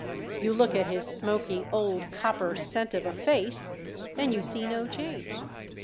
You look at his smoky, old copper cent of a face, and you see no change.